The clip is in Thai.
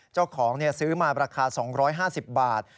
เจ้าของซื้อมาราคา๒๕๐บาท